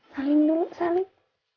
salin dulu salin